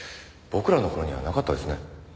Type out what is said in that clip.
僕らの頃にはなかったですね。